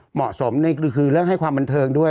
เหมาะสมคือเรื่องให้ความบันเทิงด้วย